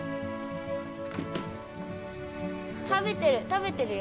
食べてる。